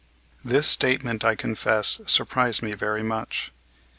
This statement, I confess, surprised me very much.